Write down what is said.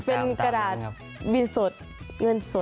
เป็นกระดาษบินสดเงินสด